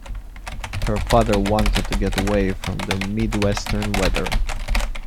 Her father wanted to get away from the Midwestern weather.